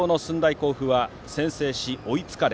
甲府は先制し、追いつかれ